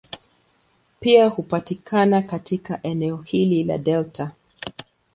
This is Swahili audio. Pia hupatikana katika eneo hili la delta.